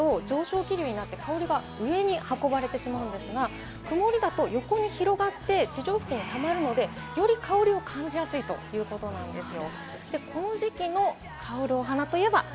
というのも、晴れると上昇気流に乗って香りが上に運ばれてしまうんですが、曇りだと横に広がって地上付近にたまるので、より香りを感じやすいということなんですよ。